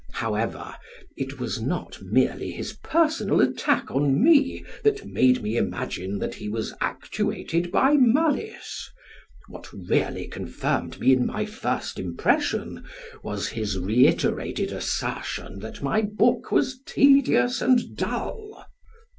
However, it was not merely his personal attack on me that made me imagine that he was actuated by malice. What really confirmed me in my first impression was his reiterated assertion that my book was tedious and dull.